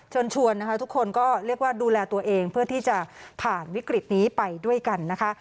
ชวนนะคะทุกคนก็เรียกว่าดูแลตัวเองเพื่อที่จะผ่านวิกฤตนี้ไปด้วยกันนะคะ